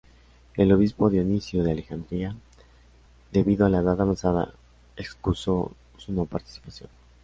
El obispo Dionisio de Alejandría, debido a la edad avanzada, excusó su no participación.